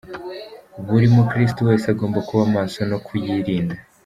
Buri mukiristo wese agomba kuba maso no kuyirinda.